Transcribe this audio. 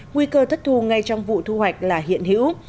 nguy cơ thất thu ngay trong vụ thu hoạch là hiện hữu